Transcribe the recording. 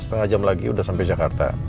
setengah jam lagi sudah sampai jakarta